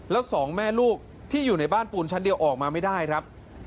แล้วสองแม่ลูกที่อยู่ในบ้านปูนชั้นเดียวออกมาไม่ได้ครับ